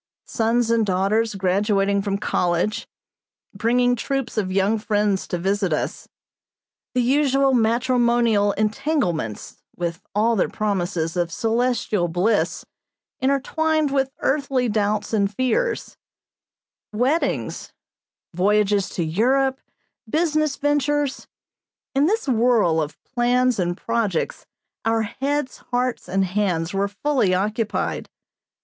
Sons and daughters graduating from college, bringing troops of young friends to visit us; the usual matrimonial entanglements, with all their promises of celestial bliss intertwined with earthly doubts and fears; weddings, voyages to Europe, business ventures in this whirl of plans and projects our heads, hearts, and hands were fully occupied.